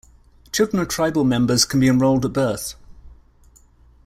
Children of tribal members can be enrolled at birth.